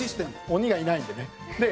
鬼がいないんでね。